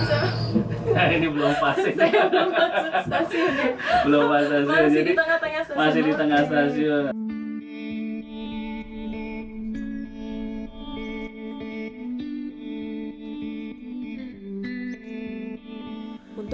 masih di tengah stasiun